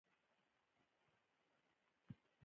غرونه د افغانستان د صادراتو برخه ده.